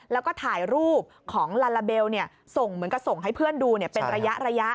แล้วก็ถ่ายรูปของลาลาเบลส่งเหมือนกับส่งให้เพื่อนดูเป็นระยะ